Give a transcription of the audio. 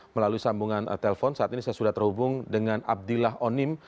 melalui sambungan telepon saat ini saya sudah terhubung dengan abdillah onim